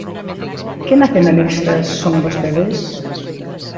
¿Que nacionalistas son vostedes?